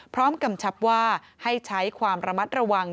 กำชับว่าให้ใช้ความระมัดระวัง